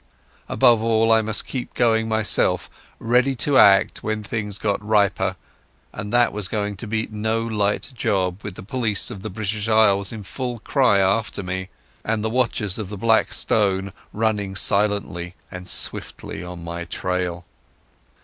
Above all, I must keep going myself, ready to act when things got riper, and that was going to be no light job with the police of the British Isles in full cry after me and the watchers of the Black Stone running silently and swiftly on my trail.